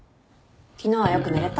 昨日はよく寝れた？